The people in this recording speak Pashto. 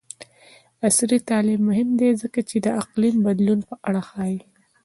عصري تعلیم مهم دی ځکه چې د اقلیم بدلون په اړه ښيي.